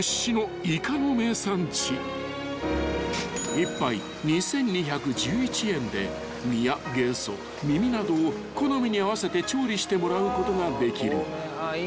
［１杯２，２１１円で身やげそ耳などを好みに合わせて調理してもらうことができる］